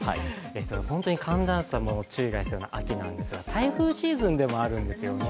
本当に寒暖差も注意が必要な秋なんですが、台風シーズンでもあるんですよね。